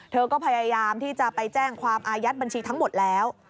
ตามที่จะไปแจ้งความอายัดบัญชีทั้งหมดแล้ว